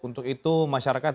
untuk itu masyarakat